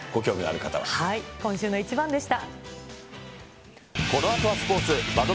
今週のイチバンでした。